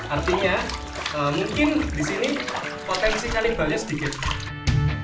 artinya mungkin di sini potensi kalimbalnya sedikit